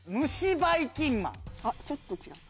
あっちょっと違う。